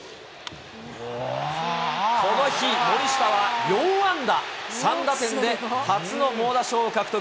この日、森下は４安打３打点で初の猛打賞を獲得。